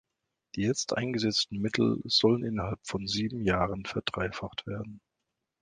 Die jetzt eingesetzten Mittel sollen innerhalb von sieben Jahren verdreifacht werden.